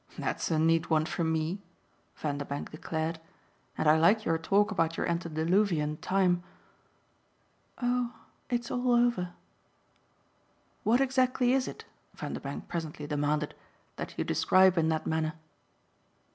"That's a neat one for ME!" Vanderbank declared. "And I like your talk about your antediluvian 'time.'" "Oh it's all over." "What exactly is it," Vanderbank presently demanded, "that you describe in that manner?"